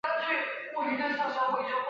最后投奔杜弢。